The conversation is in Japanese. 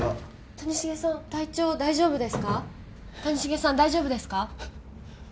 谷繁さん大丈夫ですか？